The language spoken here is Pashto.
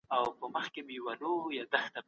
ځینې خلک ډېر ژاړي.